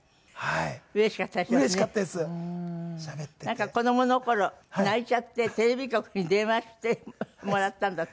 なんか子供の頃泣いちゃってテレビ局に電話してもらったんだって？